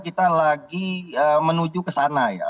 kita lagi menuju ke sana ya